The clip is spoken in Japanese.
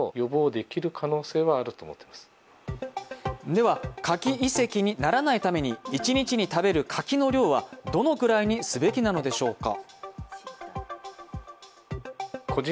では、柿胃石にならないために、一日に食べる柿の量はどのくらいにすべきなのでしょうか。